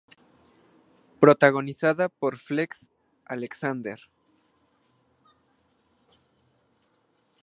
Protagonizada por Flex Alexander.